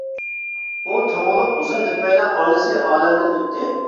ئۇ تۇغۇلۇپ ئۇزۇن ئۆتمەيلا ئانىسى ئالەمدىن ئۆتتى.